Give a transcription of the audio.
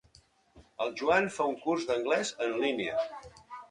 El Joan fa un curs d'anglès en línia.